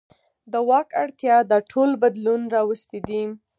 د واک اړتیا دا ټول بدلون راوستی دی.